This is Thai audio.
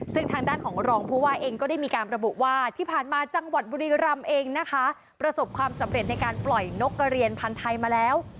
ซึ่งทางด้านของรองผู้ว่าเองก็ได้มีการระบุว่าที่ผ่านมาจังหวัดบุรีรำเองนะคะประสบความสำเร็จในการปล่อยนกกระเรียนพันธ์ไทยมาแล้ว